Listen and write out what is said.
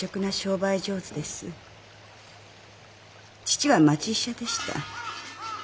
父は町医者でした。